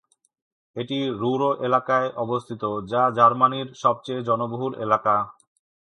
এটি রুর এলাকায় অবস্থিত, যা জার্মানির সবচেয়ে জনবহুল এলাকা।